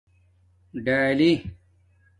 ڈالی